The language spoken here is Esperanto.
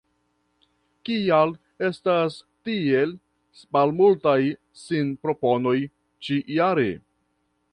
Kial estas tiel malmultaj sinproponoj ĉi-jare?